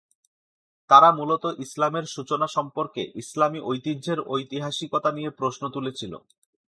তারা মূলত ইসলামের সূচনা সম্পর্কে ইসলামী ঐতিহ্যের ঐতিহাসিকতা নিয়ে প্রশ্ন তুলেছিল।